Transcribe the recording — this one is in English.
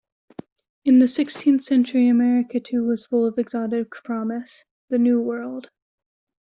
In the sixteenth century America too was full of exotic promise: the "New World".